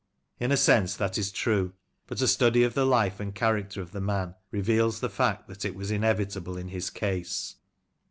In a sense that is true ; but a study of the life and character of the man reveals the fact that it was inevitable in his case.